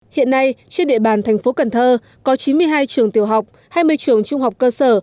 hiện nay trên địa bàn thành phố cần thơ có chín mươi hai trường tiểu học hai mươi trường trung học cơ sở